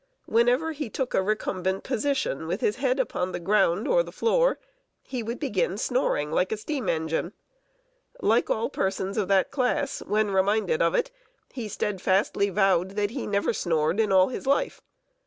Whenever he took a recumbent position, with his head upon the ground or the floor, he would begin snoring like a steam engine. Like all persons of that class, when reminded of it, he steadfastly vowed that he never snored in all his life!